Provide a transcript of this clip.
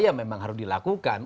ya memang harus dilakukan